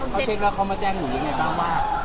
เค้าเช็คแล้วมาแจ้งคุณอย่างไรบ้างว่า